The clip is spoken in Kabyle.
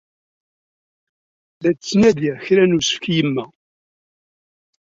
La d-ttnadiɣ kra n usefk i yemma.